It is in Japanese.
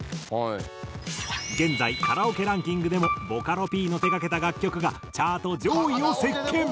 現在カラオケランキングでもボカロＰの手掛けた楽曲がチャート上位を席巻。